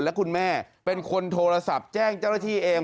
และคุณแม่เป็นคนโทรศัพท์แจ้งเจ้าหน้าที่เอง